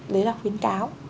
đấy là khuyến cáo